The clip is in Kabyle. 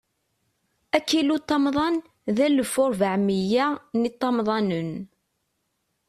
Akiluṭamḍan, d alef u rebɛa u miyya n yiṭamḍanen.